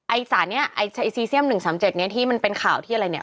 ไอซีเซียม๑๓๗ที่มันเป็นข่าวที่อะไร